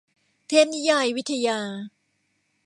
เทพนิยายวิทยา